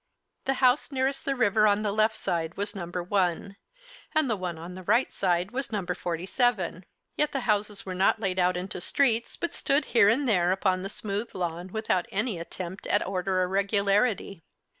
The house nearest the river on the left side was number 1, and the one on the right side was number 47; yet the houses were not laid out into streets, but stood here and there upon the smooth lawn, without any attempt at order or regularity.